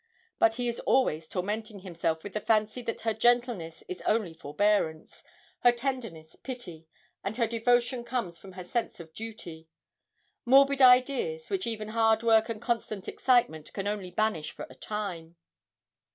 But he is always tormenting himself with the fancy that her gentleness is only forbearance, her tenderness pity, and her devotion comes from her sense of duty morbid ideas, which even hard work and constant excitement can only banish for a time.